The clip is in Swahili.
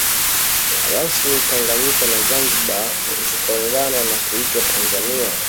Rasmi tanganyika na Zanzibar zikaungana na kuitwa Tanzania